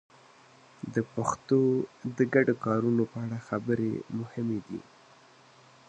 د پښتو د ګډو کارونو په اړه خبرې مهمې دي.